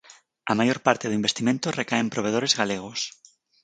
A maior parte do investimento recae en provedores galegos.